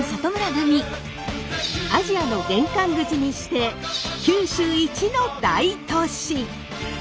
アジアの玄関口にして九州一の大都市。